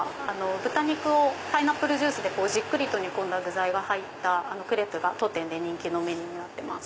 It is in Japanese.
豚肉をパイナップルジュースで煮込んだ具材が入ったクレープが当店で人気のメニューになってます。